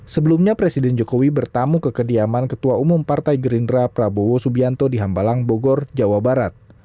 sebelumnya presiden jokowi bertamu ke kediaman ketua umum partai gerindra prabowo subianto di hambalang bogor jawa barat